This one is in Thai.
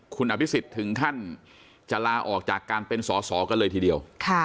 คุณอภิษฎถึงขั้นจะลาออกจากการเป็นสอสอกันเลยทีเดียว